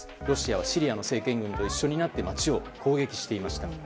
ロシアはシリアの政権軍と一緒になって街を攻撃していました。